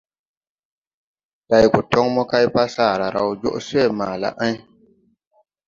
Day go toŋ mo kay pa, saara raw joʼ swé ma la ɛŋ.